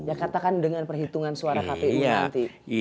ya katakan dengan perhitungan suara kpu nanti